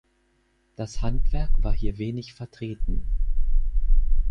Das Handwerk war hier wenig vertreten.